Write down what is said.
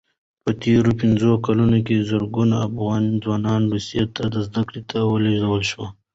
په تېرو پنځو کلونو کې زرګونه افغان ځوانان روسیې ته زدکړو ته ولېږل شول.